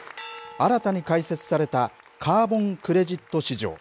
新たに開設されたカーボン・クレジット市場。